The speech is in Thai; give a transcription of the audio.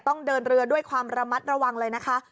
ต้องเดินเรือด้วยความระมัดระวังเลยนะคะ